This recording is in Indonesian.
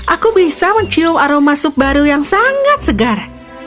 aku bisa mencium aroma sup baru yang sangat segar